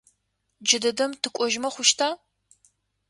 Джыдэдэм тыкӏожьмэ хъущта?